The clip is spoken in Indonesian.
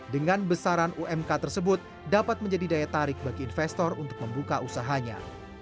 dengan besaran umk tersebut dapat menjadi daya tarik bagi investor untuk membuka usahanya